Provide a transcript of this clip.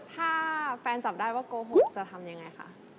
ถ้าแฟนจับได้ว่าโกหกจะทำยังไงคะ